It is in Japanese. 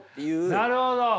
なるほど。